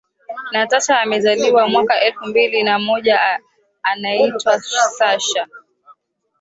Natasha amezaliwa mwaka elfu mbili na moja anayeitwa Sasha